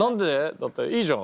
だっていいじゃん。